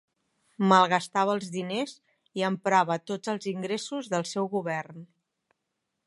Malgastava els diners i emprava tots els ingressos del seu govern.